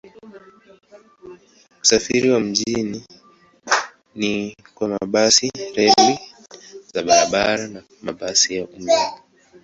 Usafiri wa mjini ni kwa mabasi, reli za barabarani na mabasi ya umeme.